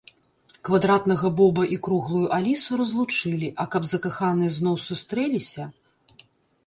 Квадратнага Боба і круглую Алісу разлучылі, а каб закаханыя зноў сустрэліся